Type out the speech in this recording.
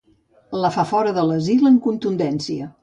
La fa fora de l'asil amb contundència.